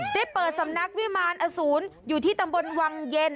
ได้เปิดสำนักวิมารอสูรอยู่ที่ตำบลวังเย็น